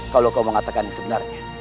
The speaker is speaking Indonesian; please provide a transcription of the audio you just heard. kalau kau mengatakan sebenarnya